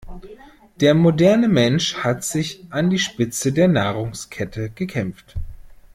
Der moderne Mensch hat sich an die Spitze der Nahrungskette gekämpft.